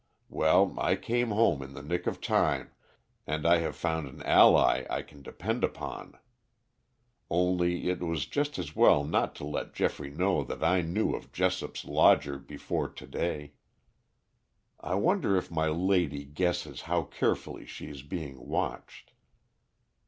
Well, I came home in the nick of time, and I have found an ally I can depend upon. Only it was just as well not to let Geoffrey know that I knew of Jessop's lodger before to day. I wonder if my lady guesses how carefully she is being watched."